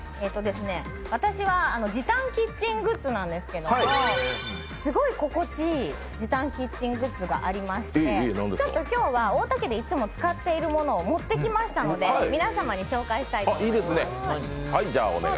私は時短キッチングッズなんですけども、すごい心地いい時短キッチングッズがありまして、今日は太田家でいつも使っているものを持ってきましたので皆様に紹介したいと思います。